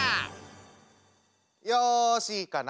よしいいかな。